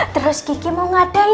terus kiki mau ngadai